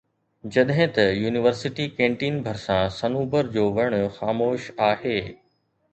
جڏهن ته university canteen ڀرسان صنوبر جو وڻ خاموش آهي